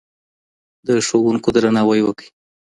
د ښوونکو درناوی وکړئ.